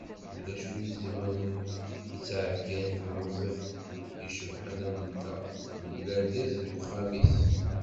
Ulac win izemren i ttɛebga n tlemẓit icebḥen am ta mebla argaz deg uxxam-is.